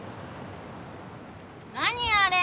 何あれ！